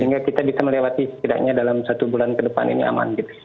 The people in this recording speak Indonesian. sehingga kita bisa melewati setidaknya dalam satu bulan kedepan ini aman gitu